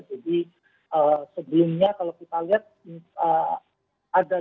jadi sebelumnya kalau kita lihat ada data